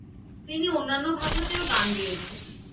তিনি অন্যান্য ভাষাতেও গান গেয়েছেন।